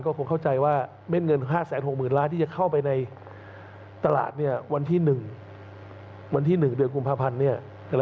ก็คงเข้าใจว่าเม็ดเงิน๕๖๐๐๐ล้านที่จะเข้าไปในตลาดวันที่๑วันที่๑เดือนกุมภาพันธ์